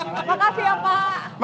makasih ya pak